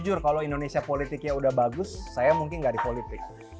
jujur kalau indonesia politiknya udah bagus saya mungkin gak di politik